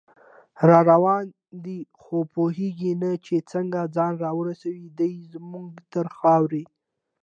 راروان دی خو پوهیږي نه چې څنګه، ځان راورسوي دی زمونږ تر خاورې